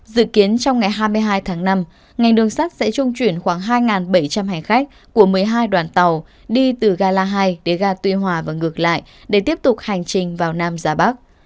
dự kiến trong ngày hai mươi hai tháng năm ngành đường sắt sẽ trung chuyển khoảng hai bảy trăm linh hành khách của một mươi hai đoàn tàu đi từ gala hai đến ga tuy hòa và ngược lại để tiếp tục hành trình vào nam ra bắc